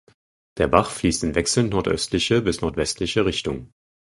Der Bach fließt in wechselnd nordöstliche bis nordwestliche Richtung.